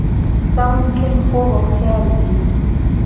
دا ممکن خوب او خیال وي.